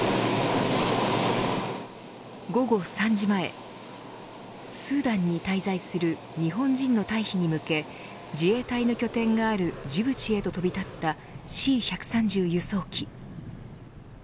午後３時前スーダンに滞在する日本人の退避に向け自衛隊の拠点があるジブチへと飛び立ったＣ‐１３０輸送機。